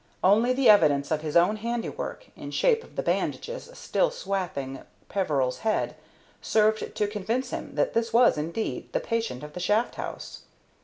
Only the evidence of his own handiwork, in shape of the bandages still swathing Peveril's head, served to convince him that this was indeed his patient of the shaft house.